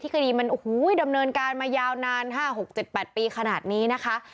คดีมันโอ้โหดำเนินการมายาวนาน๕๖๗๘ปีขนาดนี้นะคะ